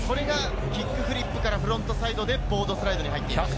キックフリップからフロントサイドでボードスライドに入っています。